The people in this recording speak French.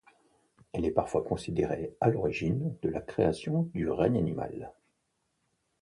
Elle est parfois considérée à l'origine de la création du règne animal.